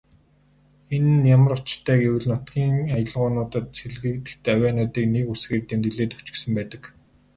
Энэ ямар учиртай вэ гэвэл нутгийн аялгуунуудад сэлгэгдэх авиануудыг нэг үсгээр тэмдэглээд өгчихсөн байдаг.